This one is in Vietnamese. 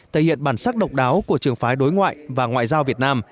thể hiện bản sắc độc đáo của trường phái đối ngoại và ngoại giao việt nam